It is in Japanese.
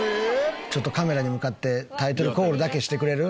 ちょっとカメラに向かってタイトルコールだけしてくれる？